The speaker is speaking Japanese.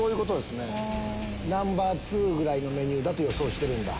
Ｎｏ．２ぐらいのメニューだと予想してるんだ。